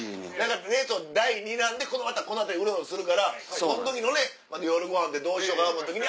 第２弾でまたこの辺りうろうろするからその時のね夜ごはんでどうしようかな思うた時に。